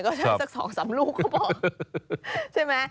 ก็ใช้สักสองสามลูกเขาบอก